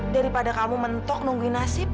daripada kamu mentok nungguin nasib